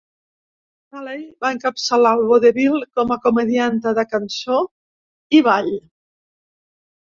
Haley va encapçalar el vodevil com a comedianta de cançó i ball.